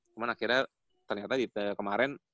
cuman akhirnya ternyata kemarin